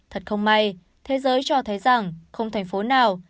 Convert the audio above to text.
thật không may thế giới cho thấy rằng không thành phố nào